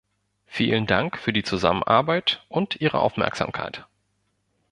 Vielen Dank für die Zusammenarbeit und Ihre Aufmerksamkeit.